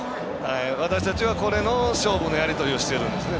私たちは、この勝負のやり取りをしてるんですね。